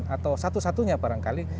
atau satu satunya barangkali